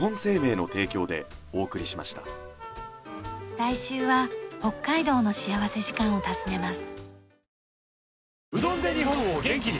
来週は北海道の幸福時間を訪ねます。